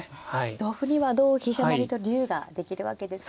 同歩には同飛車成と竜ができるわけですね。